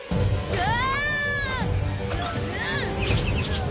うわ！